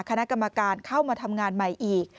คณะกรรมการเข้ามาทำงานใหม่อีก